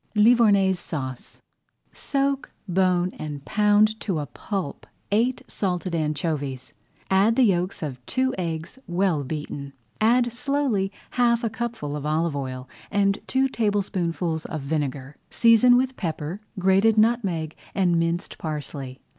LIVOURNAISE SAUCE Soak, bone, and pound to a pulp eight salted anchovies. Add the yolks of two eggs, well beaten. Add slowly half a cupful of olive oil and two tablespoonfuls of vinegar. Season with pepper, grated nutmeg, and minced parsley.